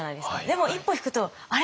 でも一歩引くと「あれ？」